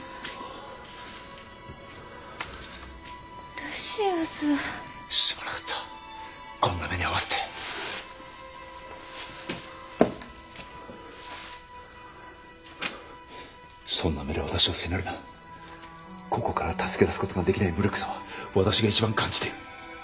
ルシウスすまなかったこんな目に遭わせてそんな目で私を責めるなここから助け出すことができない無力さは私が一番感じている